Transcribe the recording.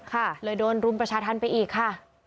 ค่ะเลยโดนรุมประชาธรรมไปอีกค่ะ